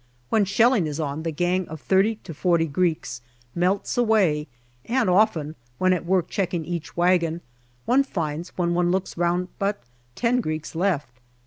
When shelling is on the gang of thirty to forty Greeks melts away, and often, when at work checking each wagon, one finds when one looks round but ten Greeks left.